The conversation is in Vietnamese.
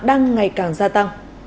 đang ngày càng gia tăng